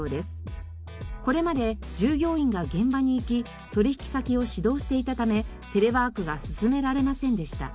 これまで従業員が現場に行き取引先を指導していたためテレワークが進められませんでした。